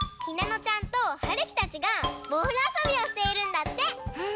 ひなのちゃんとはるきたちがボールあそびをしているんだって。